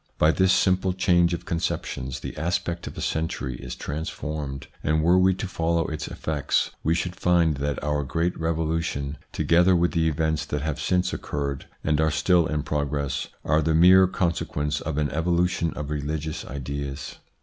By this simple change of conceptions the aspect of a century is transformed, and were we to follow its effects we should find that our great Revolution, together with the events that have since occurred and are still in progress, are the mere consequence of an evolution of religious ideas.